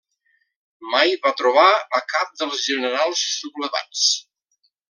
Mai va trobar a cap dels generals sublevats.